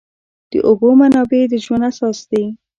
د اوبو منابع د ژوند اساس دي.